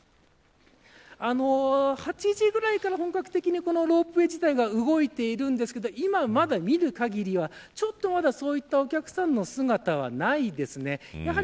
８時ぐらいから本格的にロープウエーが動いているんですが今、まだ見る限りはまだ、そういったお客さんの姿はないです。